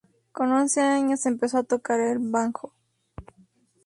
Con once años empezó a tocar el banjo.